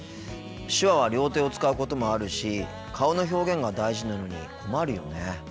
手話は両手を使うこともあるし顔の表現が大事なのに困るよね。